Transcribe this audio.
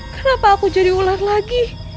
kenapa aku jadi ular lagi